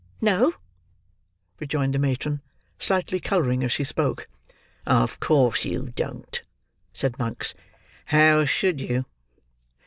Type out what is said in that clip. "No," rejoined the matron, slightly colouring as she spoke. "Of course you don't!" said Monks. "How should you?"